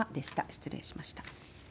失礼しました。